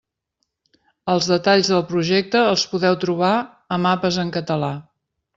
Els detalls del projecte els podeu trobar a «Mapes en català».